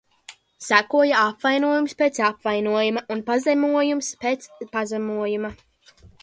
Sekoja apvainojums pēc apvainojuma un pazemojums pēc pazemojuma.